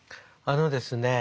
あのですね